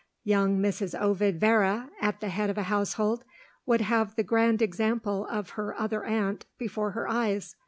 Young Mrs. Ovid Vere, at the head of a household, would have the grand example of her other aunt before her eyes.